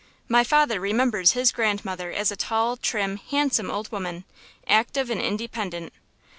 My father remembers his grandmother as a tall, trim, handsome old woman, active and independent.